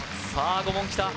５問きた